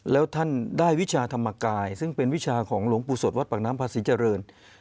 แล้วท่านได้วิชาธรรมกายซึ่งเป็นวิชาของหลวงปู่สวดวัดปากน้ำภาษีเจริญ